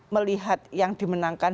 melihat yang dimenangkan